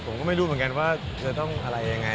ผมก็ไม่รู้เหมือนกันว่าจะต้องอะไรยังไง